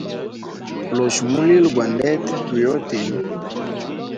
Losha mulilo gwa ndete tu yote.